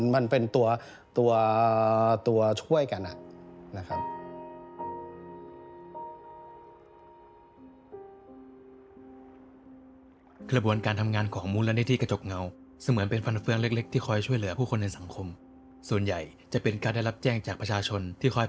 มันเป็นตัวช่วยกัน